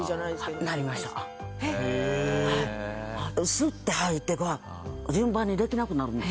吸って吐いてが順番にできなくなるんですよね